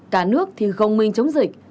cả nước thì không minh chống dịch